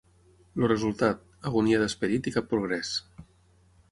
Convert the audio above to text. El resultat: agonia d'esperit i cap progrés.